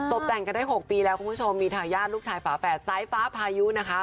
แต่งกันได้๖ปีแล้วคุณผู้ชมมีทายาทลูกชายฝาแฝดสายฟ้าพายุนะคะ